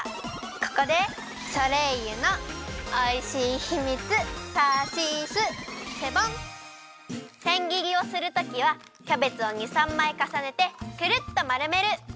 ここでソレイユのおいしいひみつせんぎりをするときはキャベツを２３まいかさねてクルッとまるめる！